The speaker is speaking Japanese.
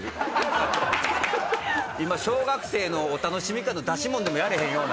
今小学生のお楽しみ会の出し物でもやれへんような。